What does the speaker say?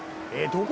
どこ？